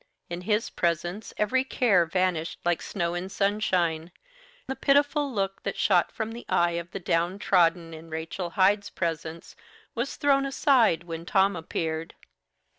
In his presence every care vanished like snow in sunshine; the pitiful look that shot from the eye of the down trodden in Rachel Hyde's presence was thrown aside when Tom appeared.